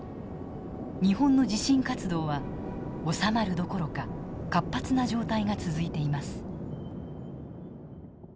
日本の地震活動は収まるどころか活発な状態が続いています。